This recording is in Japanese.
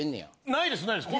ないですないです。